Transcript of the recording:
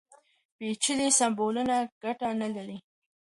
پېچلي سمبولونه ګټه نه لري.